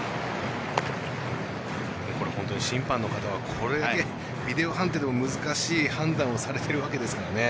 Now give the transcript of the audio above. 本当に審判の方はビデオ判定でも難しい判断をされているわけですね。